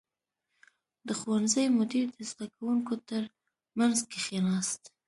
• د ښوونځي مدیر د زده کوونکو تر منځ کښېناست.